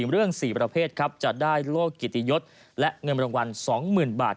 เรื่อง๔ประเภทครับจะได้โลกกิตยศและเงินรางวัล๒๐๐๐บาท